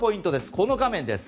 この画面です。